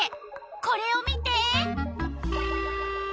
これを見て！